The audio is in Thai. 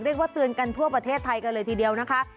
เรียกว่าเตือนกันทั่วประเทศไทยกันเลยทีเดียวนะคะ